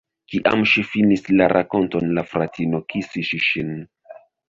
Kiam ŝi finis la rakonton, la fratino kisis ŝin.